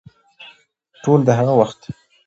ټول د هغه وخت